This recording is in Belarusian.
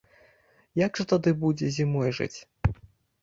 Як жа тады будзе зімой жыць?